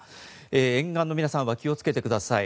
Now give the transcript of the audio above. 沿岸の皆さんは気をつけてください。